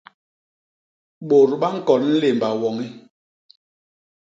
Bôt ba ñkon nlémba woñi.